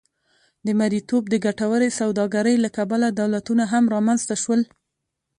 د مریتوب د ګټورې سوداګرۍ له کبله دولتونه هم رامنځته شول.